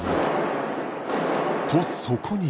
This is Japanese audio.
とそこに